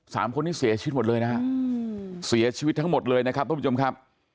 สามคนนี้เสียชีวิตหมดเลยนะฮะอืมเสียชีวิตทั้งหมดเลยนะครับทุกผู้ชมครับ